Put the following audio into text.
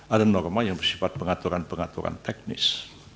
ada norma yang bersifat pengaturan pengaturan teknis